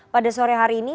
pada sore hari ini